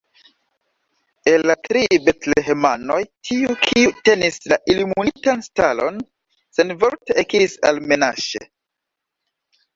El la tri betlehemanoj tiu, kiu tenis la iluminitan stalon, senvorte ekiris al Menaŝe.